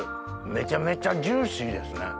めちゃめちゃジューシーですね。